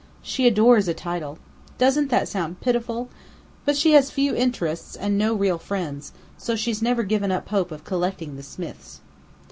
She adores a title. Doesn't that sound pitiful? But she has few interests and no real friends, so she's never given up hope of 'collecting' the Smiths.